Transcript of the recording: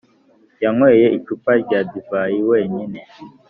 yanyweye icupa rya divayi wenyine